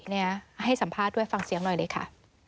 เนี่ยให้สัมภาษณ์ด้วยฟังเสียงหน่อยเลยค่ะ